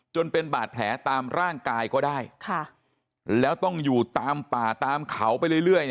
จนเป็นบาดแผลตามร่างกายก็ได้แล้วต้องอยู่ตามป่าตามเขาไปเรื่อย